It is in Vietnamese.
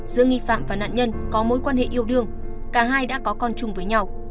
giữa nghi phạm và nạn nhân có mối quan hệ yêu đương cả hai đã có con chung với nhau